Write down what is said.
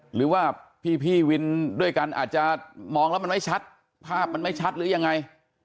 หรือว่าพี่วินด้วยกันอาจจะมองแล้วมันไม่ชัดภาพมันไม่ชัดหรือยังไง